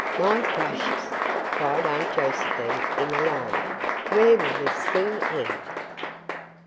"My gracious," cried Aunt Josephine, in alarm, "where will this thing end?"